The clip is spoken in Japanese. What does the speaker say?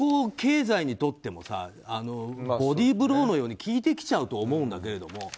経済にとってもボディーブローのように効いてきちゃうと思うんだけども。